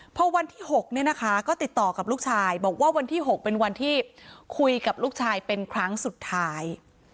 พอวันที่๖เนี่ยนะคะก็ติดต่อกับลูกชายบอกว่าวันที่๖เป็นวันที่คุยกับลูกชายเป็นครั้งสุดท้าย